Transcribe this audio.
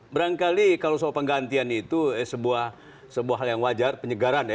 berangkali kalau soal penggantian itu sebuah hal yang wajar penyegaran ya